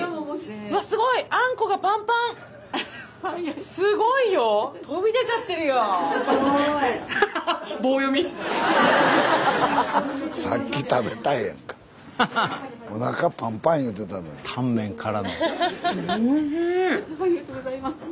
ありがとうございます。